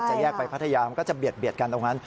แยกไปพัทยามันก็จะเบียดกันตรงนั้น